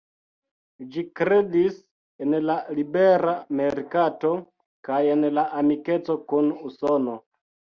Ĝi kredis en la libera merkato kaj en amikeco kun Usono.